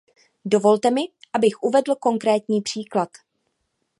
Dovolte mi, abych uvedl konkrétní příklad.